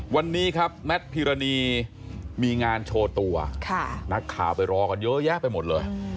วันนี้ครับแมทพิรณีมีงานโชว์ตัวนักข่าวไปรอกันเยอะแยะไปหมดเลย